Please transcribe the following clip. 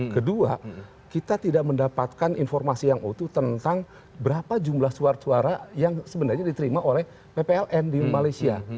kedua kita tidak mendapatkan informasi yang utuh tentang berapa jumlah suara suara yang sebenarnya diterima oleh ppln di malaysia